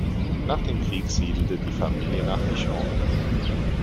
Nach dem Krieg siedelte die Familie nach Dijon über.